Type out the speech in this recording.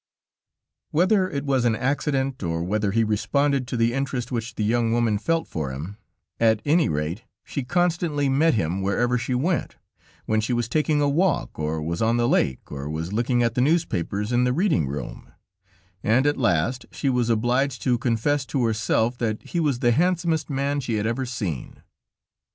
Whether it was an accident, or whether he responded to the interest which the young woman felt for him, at any rate she constantly met him wherever she went, when she was taking a walk, or was on the lake, or was looking at the newspapers in the reading room; and at last she was obliged to confess to herself that he was the handsomest man she had ever seen.